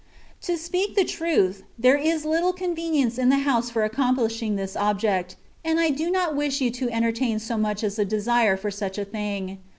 To speak the truth, there is little convenience in the house for accomplishing this object, and I do not wish you to entertain so much as a desire for such a thing.